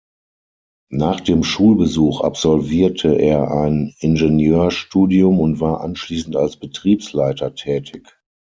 Nach dem Schulbesuch absolvierte er ein Ingenieurstudium und war anschließend als Betriebsleiter tätig.